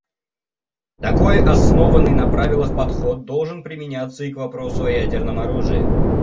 Такой основанный на правилах подход должен применяться и к вопросу о ядерном оружии.